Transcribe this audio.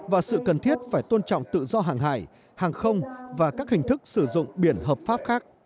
và sự cần thiết phải tôn trọng tự do hàng hải hàng không và các hình thức sử dụng biển hợp pháp khác